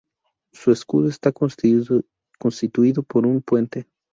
Su escudo está constituido por un puente.